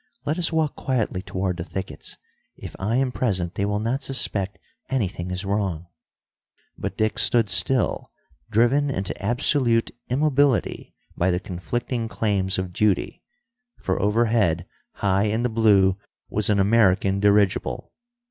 Let us walk quietly toward the thickets. If I am present, they will not suspect anything is wrong." But Dick stood still, driven into absolute immobility by the conflicting claims of duty. For overhead, high in the blue, was an American dirigible.